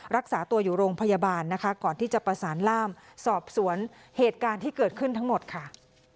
รักษาตัวอยู่โรงพยาบาลนะคะก่อนที่จะประสานล่ามสอบสวนเหตุการณ์ที่เกิดขึ้นทั้งหมดค่ะ